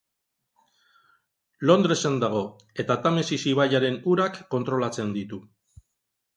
Londresen dago eta Tamesis ibaiaren urak kontrolatzen ditu.